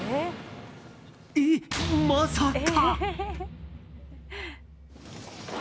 えっ、まさか！